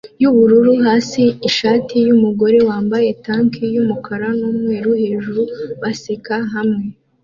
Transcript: yubururu hasi ishati numugore wambaye tank yumukara numweru hejuru baseka hamwe